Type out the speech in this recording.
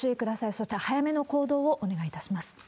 そして早めの行動をお願いいたします。